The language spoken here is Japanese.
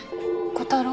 小太郎？